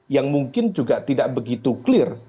yang mungkin juga tidak begitu clear